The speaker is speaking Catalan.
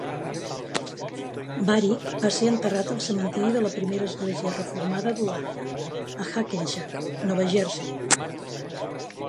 Varick va ser enterrat al cementiri de la primera església reformada d'Holanda a Hackensack, Nova Jersey.